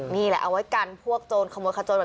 นี่แหละเอาไว้กันพวกโจรขโมยขโจร